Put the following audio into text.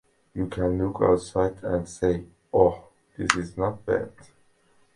You can look outside and say, ‘Oh, this is not bad.’